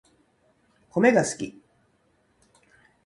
コメが好き